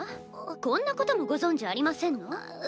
こんなこともご存じありませんの？